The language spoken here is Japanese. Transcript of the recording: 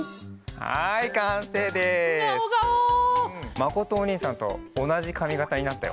まことおにいさんとおなじかみがたになったよ。